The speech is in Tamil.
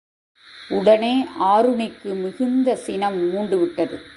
உடனே ஆருணிக்கு மிகுந்த சினம் மூண்டுவிட்டது.